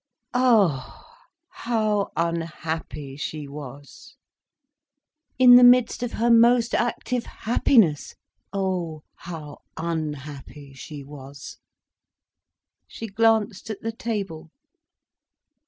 Ah, how unhappy she was! In the midst of her most active happiness, ah, how unhappy she was! She glanced at the table.